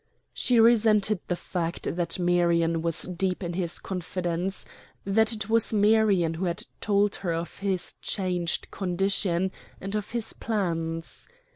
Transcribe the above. She resented the fact that Marion was deep in his confidence; that it was Marion who had told her of his changed condition and of his plans.